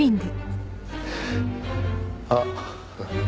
あっ。